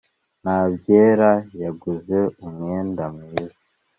ntabyera yaguze umwenda mwiza